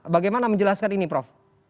bagaimana menjelaskan ini prof